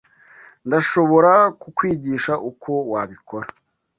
Ndashobora kukwigisha uko wabikora.